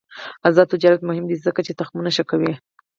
آزاد تجارت مهم دی ځکه چې تخمونه ښه کوي.